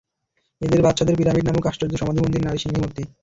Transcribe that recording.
এদের বাদশাদের পিরামিড নামক আশ্চর্য সমাধিমন্দির, নারীসিংহী মূর্তি।